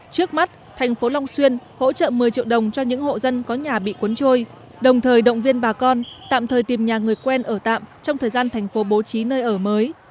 trước mắt thành phố long xuyên hỗ trợ một mươi triệu đồng cho những hộ dân có nhà bị cuốn trôi đồng thời động viên bà con tạm thời tìm nhà người quen ở tạm trong thời gian thành phố bố trí nơi ở mới